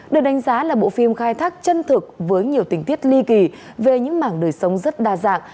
được đánh giá là bộ phim khai thác chân thực với nhiều tình tiết ly kỳ về những mảng đời sống rất đa dạng